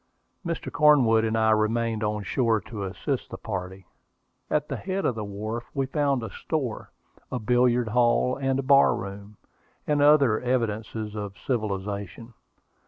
Mr. Cornwood and I remained on shore to assist the party. At the head of the wharf we found a store, a billiard hall and a bar room, and other evidences of civilization.